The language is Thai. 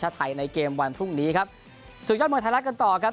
ชาติไทยในเกมวันพรุ่งนี้ครับสู่เจ้าเมืองไทยรัฐกันต่อครับ